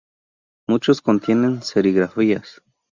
Muchos contienen serigrafías.